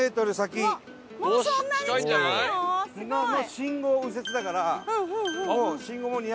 「信号を右折」だから。